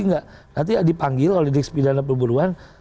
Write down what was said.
nanti dipanggil kalau di deks pidana perburuan